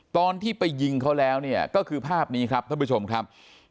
ตอนที่ไปยิงเขาแล้วเนี่ยก็คือภาพนี้ครับท่านผู้ชมครับ